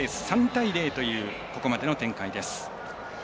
３対０というここまでの展開です。